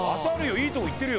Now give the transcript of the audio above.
いいとこいってるよ。